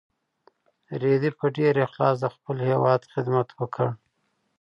رېدي په ډېر اخلاص د خپل هېواد خدمت وکړ.